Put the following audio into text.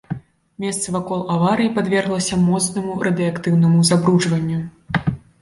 Месца вакол аварыі падверглася моцнаму радыеактыўнаму забруджванню.